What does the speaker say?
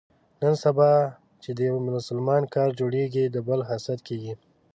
نن سبا چې د یو مسلمان کار جوړېږي، د بل حسدي کېږي.